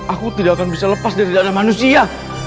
aku tidak akan bisa lepas dari dada manusia